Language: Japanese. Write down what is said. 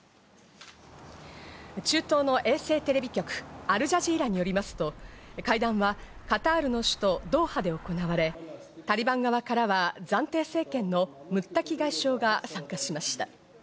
中東の衛星テレビ局、アルジャジーラによりますと、会談はカタールの首都ドーハで行われ、タリバン側からは暫定政権のムッタキ外相が参加しました。